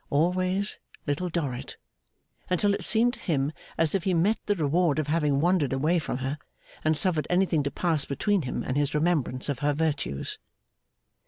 Always, Little Dorrit. Until it seemed to him as if he met the reward of having wandered away from her, and suffered anything to pass between him and his remembrance of her virtues.